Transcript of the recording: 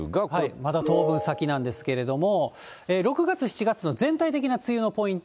まだ当分先なんですけれども、６月７月の全体的な梅雨のポイント